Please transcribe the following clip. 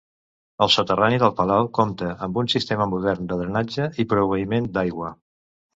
El soterrani del palau compta amb un sistema modern de drenatge i proveïment d'aigua.